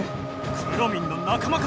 くろミンの仲間か！